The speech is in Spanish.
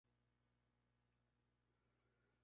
Esto empezó un feudo entre Hogan y Sid.